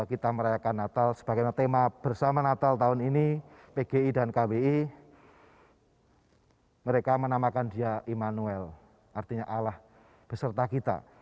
ketika kita merayakan natal sebagai tema bersama natal tahun ini pgi dan kwi mereka menamakan dia immanuel artinya allah beserta kita